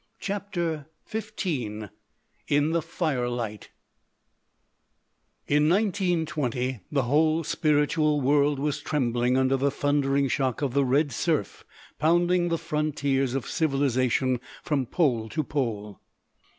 CHAPTER XV IN THE FIRELIGHT In 1920 the whole spiritual world was trembling under the thundering shock of the Red Surf pounding the frontiers of civilisation from pole to pole.